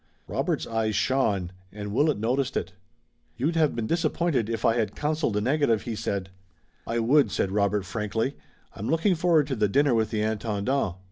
Robert's eyes shone and Willet noticed it. "You'd have been disappointed if I had counseled a negative," he said. "I would," said Robert frankly. "I'm looking forward to the dinner with the Intendant.